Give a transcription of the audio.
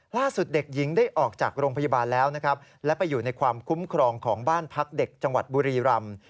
เด็กหญิงได้ออกจากโรงพยาบาลแล้วนะครับและไปอยู่ในความคุ้มครองของบ้านพักเด็กจังหวัดบุรีรำ